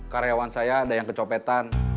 karyawan saya ada yang kecopetan